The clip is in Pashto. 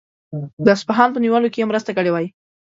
د اصفهان په نیولو کې یې مرسته کړې وای.